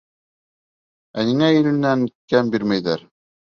Ә һиңә илленән кәм бирмәйҙәр!